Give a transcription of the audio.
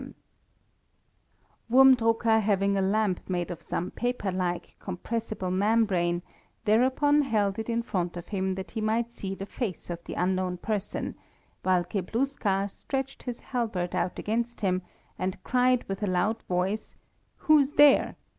Wurmdrucker having a lamp made of some paper like, compressible membrane, thereupon held it in front of him that he might see the face of the unknown person, while Kebluska stretched his halberd out against him, and cried with a loud voice, "Who's there?"